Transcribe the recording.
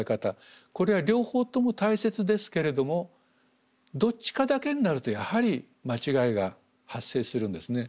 これは両方とも大切ですけれどもどっちかだけになるとやはり間違いが発生するんですね。